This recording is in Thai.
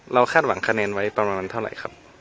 เราคาดหวังไว้เท่าไหร่ครับ